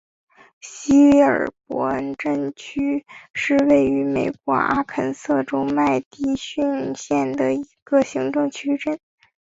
希尔伯恩镇区是位于美国阿肯色州麦迪逊县的一个行政镇区。